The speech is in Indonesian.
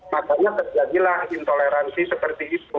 makanya terjadilah intoleransi seperti itu